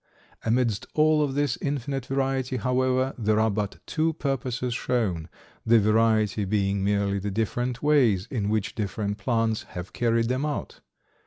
Amidst all of this infinite variety, however, there are but two purposes shown, the variety being merely the different ways in which different plants have carried them out.